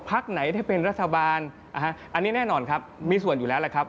ไหนถ้าเป็นรัฐบาลอันนี้แน่นอนครับมีส่วนอยู่แล้วแหละครับ